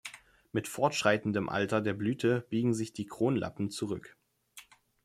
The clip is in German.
Mit fortschreitendem Alter der Blüte biegen sich die Kronlappen zurück.